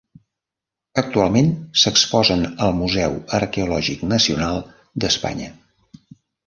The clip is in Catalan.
Actualment s'exposen al Museu Arqueològic Nacional d'Espanya.